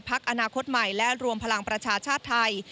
อนาคตใหม่และรวมพลังประชาชาติไทย